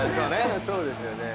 そうですよね。